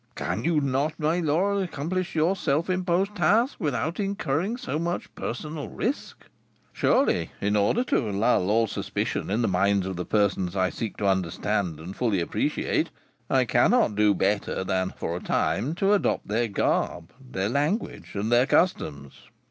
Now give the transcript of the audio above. "Can you not, my lord, accomplish your self imposed task without incurring so much personal risk?" "Surely, in order to lull all suspicion in the minds of the persons I seek to understand and fully appreciate, I cannot do better than, for a time, to adopt their garb, their language, and their customs."